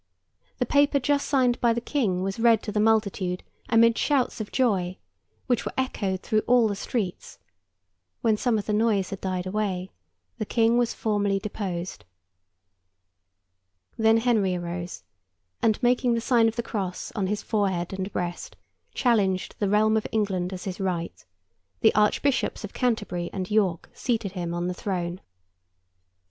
The paper just signed by the King was read to the multitude amid shouts of joy, which were echoed through all the streets; when some of the noise had died away, the King was formally deposed. Then Henry arose, and, making the sign of the cross on his forehead and breast, challenged the realm of England as his right; the archbishops of Canterbury and York seated him on the throne.